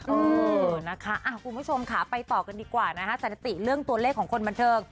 เออนะคะคุณผู้ชมค่ะไปต่อกันดีกว่านะคะสถิติเรื่องตัวเลขของคนบันเทิง